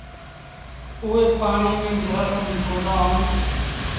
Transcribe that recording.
اُئي پآڻيٚ ميݩ جرآسيٚم ڪوندآ هوئيݩ۔